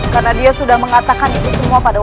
karena dia sudah mengatakan itu semua pada